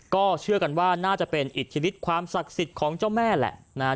ก็เชื่อกันน่าจะเป็นอิตถิฤตความศักดิ์สิทธิ์ของเจ้าแม่แหละ